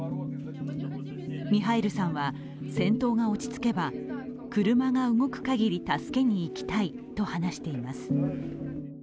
ミハイルさんは戦闘が落ち着けば車が動くかぎり助けにいきたいと話しています。